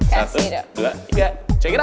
satu dua tiga check it out